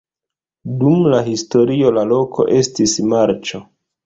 Dum la historio la loko estis marĉo.